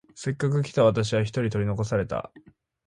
せっかく来た私は一人取り残された。